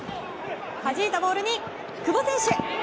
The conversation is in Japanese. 弾いたボールに久保選手。